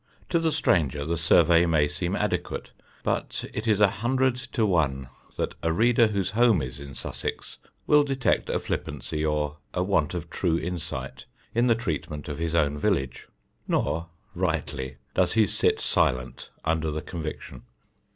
To the stranger the survey may seem adequate; but it is a hundred to one that a reader whose home is in Sussex will detect a flippancy or a want of true insight in the treatment of his own village. Nor (rightly) does he sit silent under the conviction.